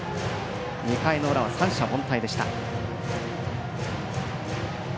２回の裏は三者凡退でした。